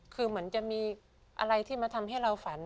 คือเหมือนจะมีอะไรที่มาทำให้เราฝัน